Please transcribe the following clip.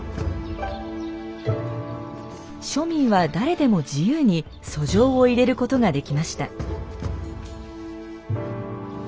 庶民は誰でも自由に訴状を入れることができました。